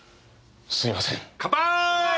すいません。